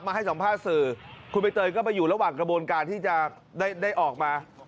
ให้สัมภาษณ์สื่อคุณใบเตยก็ไปอยู่ระหว่างกระบวนการที่จะได้ออกมา